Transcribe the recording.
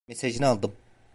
Mesajını aldım.